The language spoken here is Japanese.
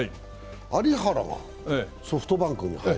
有原がソフトバンクに入る。